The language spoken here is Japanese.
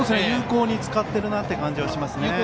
有効に使っている感じがしますね。